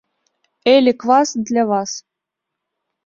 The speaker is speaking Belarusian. Эль і квас для вас!